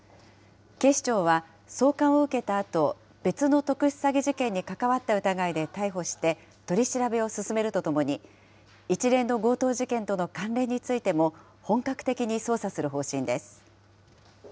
警視庁は、送還を受けたあと、別の特殊詐欺事件に関わった疑いで逮捕して取り調べを進めるとともに、一連の強盗事件との関連についても、本格的に捜査する方針です。